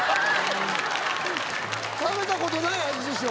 食べたことない味でしょ？